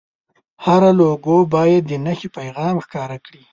هره لوګو باید د نښې پیغام ښکاره کړي.